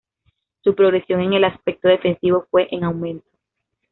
Su progresión en el aspecto defensivo fue en aumento.